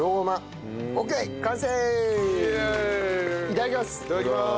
いただきます。